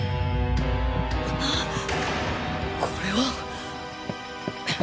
これは。